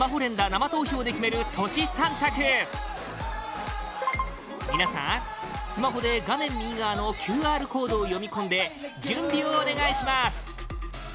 生投票で決めるＴｏｓｈｌ３択皆さん、スマホで画面右側のＱＲコードを読み込んで準備をお願いします！